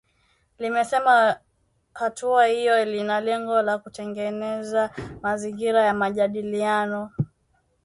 Limesema hatua hiyo ina lengo la kutengeneza mazingira ya majadiliano.